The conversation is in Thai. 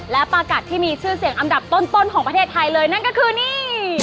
และปากัดที่มีชื่อเสียงอันดับต้นของประเทศไทยเลยนั่นก็คือนี่